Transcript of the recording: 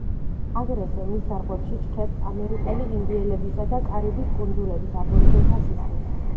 აგრეთვე მის ძარღვებში ჩქეფს ამერიკელი ინდიელებისა და კარიბის კუნძულების აბორიგენთა სისხლი.